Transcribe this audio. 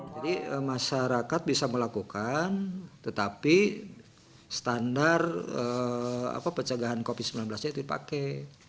jadi masyarakat bisa melakukan tetapi standar pencegahan covid sembilan belas itu dipakai